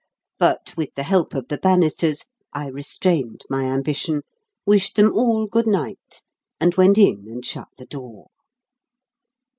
But, with the help of the banisters, I restrained my ambition, wished them all good night, and went in and shut the door.